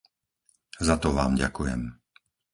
Za to vám ďakujem.